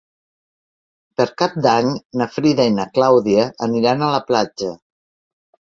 Per Cap d'Any na Frida i na Clàudia aniran a la platja.